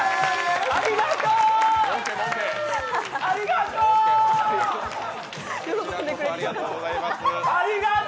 ありがと！